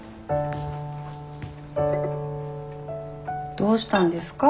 どうしたんですか？